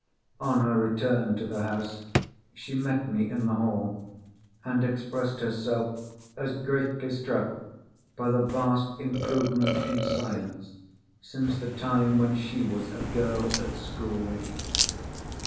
On her return to the house, she met me in the hall, and expressed herself as greatly struck by the vast improvement in Science, since the time when she was a girl at school.